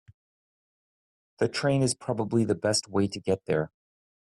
The train is probably the best way to get there.